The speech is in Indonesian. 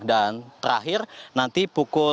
dan terakhir nanti pukul